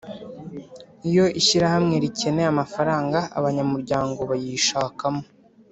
iyo ishyirahamwe rikeneye amafaranga abanyamuryango bayishakamo